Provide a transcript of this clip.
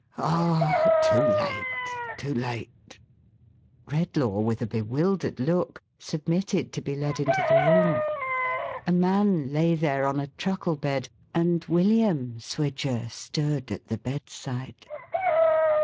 Ah, too late, too late !" Redlaw, with a bewildered look, submitted to be led into the room. A man lay there, on a truckle bed, and William Swidger stood at the bedside.